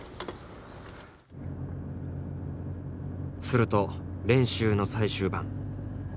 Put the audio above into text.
すると練習の最終盤。